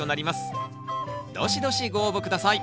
どしどしご応募下さい